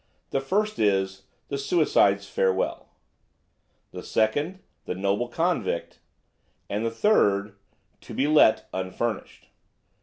The first is 'The Suicide's Farewell;' the second, 'The Noble Convict;' the third, 'To be Let, Unfurnished.'"